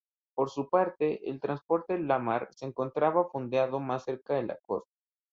Por su parte, el transporte "Lamar" se encontraba fondeado más cerca de la costa.